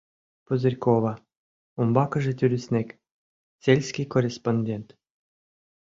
Пузырькова», умбакыже тӱрыснек: «Сельский корреспондент».